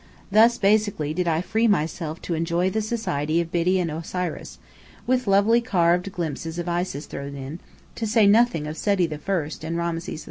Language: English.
Thus basely did I free myself to enjoy the society of Biddy and Osiris, with lovely carved glimpses of Isis thrown in, to say nothing of Seti I and Rameses II.